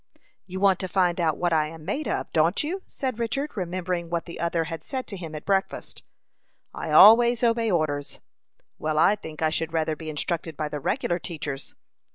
"You want to find out what I am made of don't you?" said Richard, remembering what the other had said to him at breakfast. "I always obey orders." "Well, I think I should rather be instructed by the regular teachers."